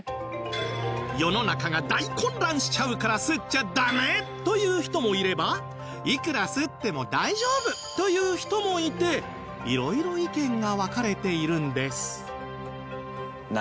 世の中が大混乱しちゃうから刷っちゃダメという人もいればいくら刷っても大丈夫という人もいて色々意見が分かれているんです